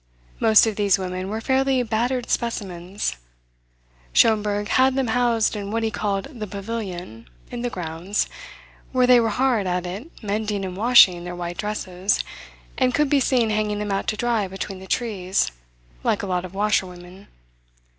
Most of these women were fairly battered specimens. Schomberg had them housed in what he called the Pavilion, in the grounds, where they were hard at it mending and washing their white dresses, and could be seen hanging them out to dry between the trees, like a lot of washerwomen.